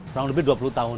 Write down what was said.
kurang lebih dua puluh tahun